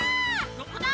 どこだ！